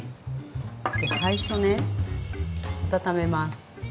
最初ね温めます。